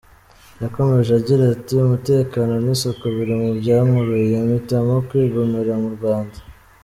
Yakomeje agira ati ”Umutekano n’isuku biri mu byankuruye mpitamo kwigumira mu Rwanda.